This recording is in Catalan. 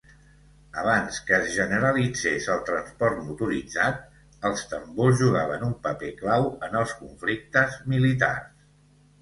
Abans que es generalitzés el transport motoritzat, els tambors jugaven un paper clau en els conflictes militars.